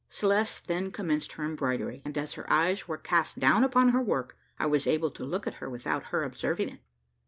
Celeste then commenced her embroidery, and as her eyes were cast down upon her work, I was able to look at her without her observing it.